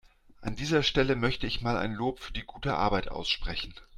An dieser Stelle möchte ich mal ein Lob für die gute Arbeit aussprechen.